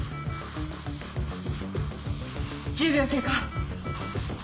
１０秒経過。